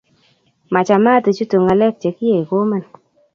Machamat ichutu ngalek chegiie komen